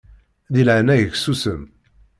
Di leɛnaya-k susem.